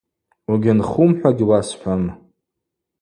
Угьынхум – хӏва гьуасхӏвуам.